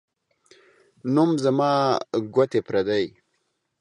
نوم زما ، گوتي پردۍ.